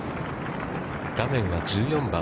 画面は１４番。